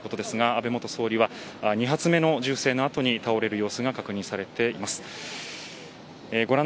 安倍元総理は２発目の後に銃声のあとに倒れる様子が確認されています。